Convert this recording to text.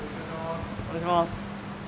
お願いします。